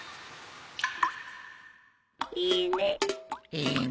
いいね。